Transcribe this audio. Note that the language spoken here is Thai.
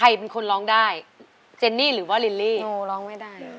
เอาล่ะเอาล่ะ